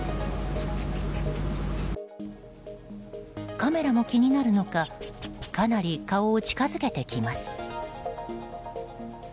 カメラも気になるのかかなり顔を近づけてきます。